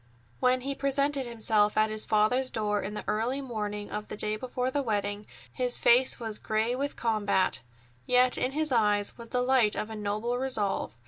When he presented himself at his father's door in the early morning of the day before the wedding, his face was gray with combat, yet in his eyes was the light of a noble resolve.